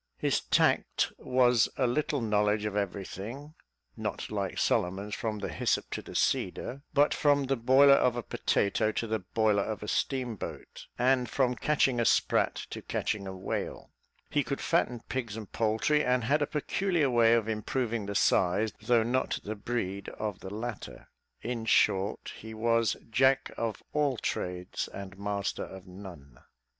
His tact was a little knowledge of everything (not like Solomon's, from the hyssop to the cedar), but from the boiler of a potato to the boiler of a steam boat, and from catching a sprat to catching a whale; he could fatten pigs and poultry, and had a peculiar way of improving the size, though not the breed of the latter; in short, he was "jack of all trades and master of none."